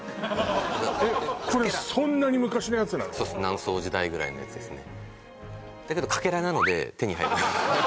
南宋時代ぐらいのやつですね